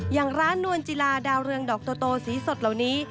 อย่างร้านนวลจิลาดาวเรืองดอกโตสีสดเหล่านี้